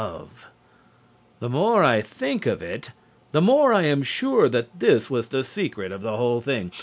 The more I think of it the more I am sure that this was the secret of the whole thing.